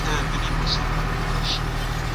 دي شورا به د هېواد د ويشل کيدو مخه نيولي وي.